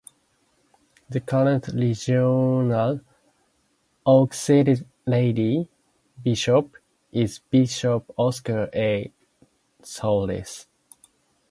The current regional auxiliary bishop is Bishop Oscar A. Solis.